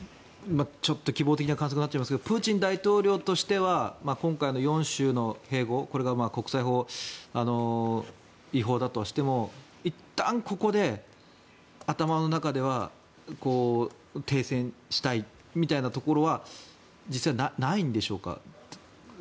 希望的観測となってしまいますがプーチン大統領としては今回の４州の併合これが国際法違反だとしてもいったん、ここで頭の中では停戦したいみたいなところは実はないんでしょうか？